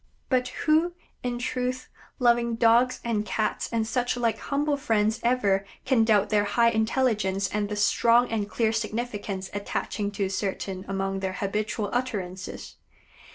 But, who, in truth, loving Dogs and Cats and such like humble friends ever can doubt their high intelligence and the strong and clear significance attaching to certain among their habitual utterances?